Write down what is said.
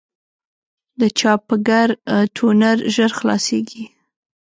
د چاپګر ټونر ژر خلاصېږي.